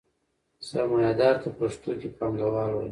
سرمایدار ته پښتو کې پانګوال وايي.